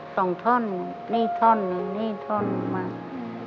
๒ท่อนหนึ่งนี่ท่อนหนึ่งนี่ท่อนหนึ่งมาก